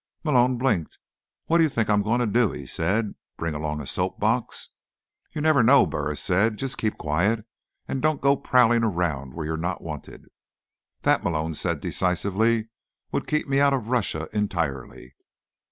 Malone blinked. "What do you think I'm going to do?" he said. "Bring along a soapbox?" "You never know," Burris said. "Just keep quiet, and don't go prowling around where you're not wanted." "That," Malone said decisively, "would keep me out of Russia entirely."